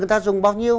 người ta dùng bao nhiêu